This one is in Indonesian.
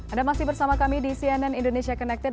anda masih bersama kami di cnn indonesia connected